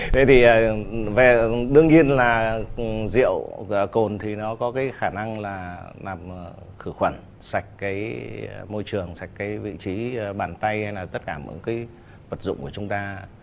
thế thì về đương nhiên là rượu cồn thì nó có cái khả năng là làm khử khuẩn sạch cái môi trường sạch cái vị trí bàn tay hay là tất cả những cái vật dụng của chúng ta